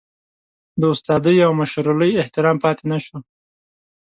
د استادۍ او مشرولۍ احترام پاتې نشو.